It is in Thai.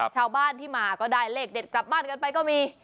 ชาวบ้านที่มาก็ได้เลขเด็ดกลับบ้านกันไปก็มี